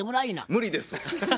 無理です。